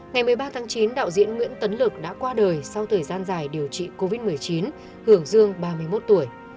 ngày một mươi ba tháng chín đạo diễn nguyễn tấn lực đã qua đời sau thời gian dài điều trị covid một mươi chín hưởng dương ba mươi một tuổi